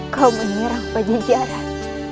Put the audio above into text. kau menyerang pada ziyarat